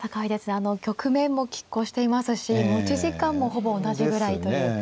あの局面もきっ抗していますし持ち時間もほぼ同じぐらいという。